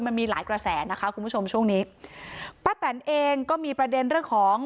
มันมีหลายกระแสนะคะคุณผู้ชมช่วงนี้ป้าแตนเองก็มีประเด็นเรื่องของ